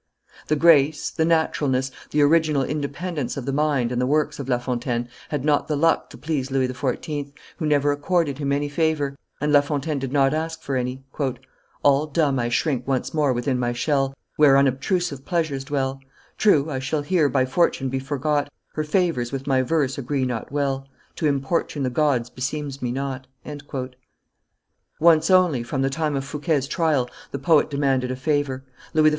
The grace, the naturalness, the original independence of the mind and the works of La Fontaine had not the luck to please Louis XIV., who never accorded him any favor, and La Fontaine did not ask for any: "All dumb I shrink once more within my shell, Where unobtrusive pleasures dwell; True, I shall here by Fortune be forgot Her favors with my verse agree not well; To importune the gods beseems me not." Once only, from the time of Fouquet's trial, the poet demanded a favor: Louis XIV.